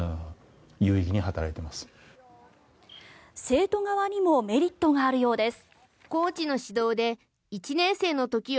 生徒側にもメリットがあるようです。